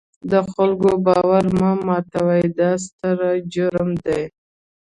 د خلکو باور مه ماتوئ، دا ستر جرم دی.